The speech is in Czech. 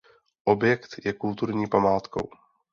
Objekt je kulturní památkou.